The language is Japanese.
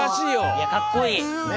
いやかっこいい！ね！